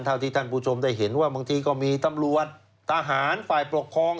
ที่ท่านผู้ชมได้เห็นว่าบางทีก็มีตำรวจทหารฝ่ายปกครอง